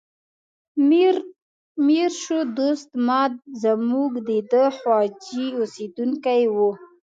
میر شو دوست ماد زموږ د ده خواجې اوسیدونکی و.